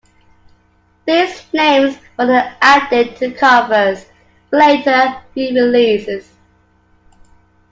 These names were then added to the covers for later re-releases.